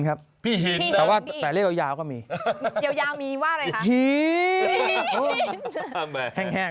ไม่หน่อบให้เลียวสักหนึ่ง